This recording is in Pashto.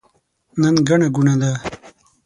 نن ګڼه ګوڼه ده.